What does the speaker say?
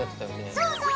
そうそう！